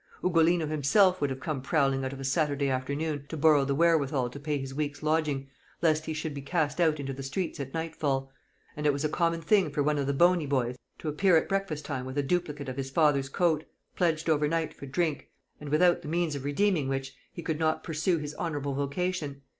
Ugolino himself would come prowling out of a Saturday afternoon to borrow the wherewithal to pay his week's lodging, lest he should be cast out into the streets at nightfall; and it was a common thing for one of the bony boys to appear at breakfast time with a duplicate of his father's coat, pledged over night for drink, and without the means of redeeming which he could not pursue his honourable vocation.